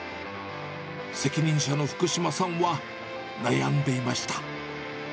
責任者の福島さんは悩んでいました。